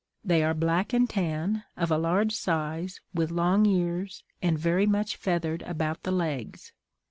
They are black and tan, of a large size, with long ears, and very much feathered about the legs.